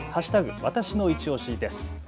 わたしのいちオシです。